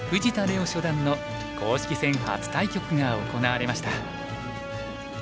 央初段の公式戦初対局が行われました。